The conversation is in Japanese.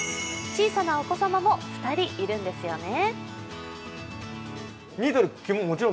小さなお子様も２人いるんですよね